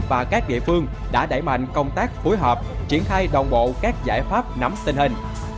và các địa phương đã đẩy mạnh công tác phối hợp triển khai đồng bộ các giải pháp nắm tình hình